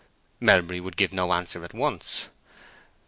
Melbury would give no answer at once.